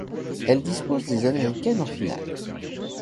Elle dispose des américaines en finale.